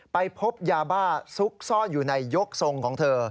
ไปพบยาบ้าซุกซ่อนอยู่ในยกทรงของเธอ